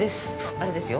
あれですよ。